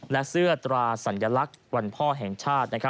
และเสื้อตราสัญลักษณ์วันพ่อแห่งชาติ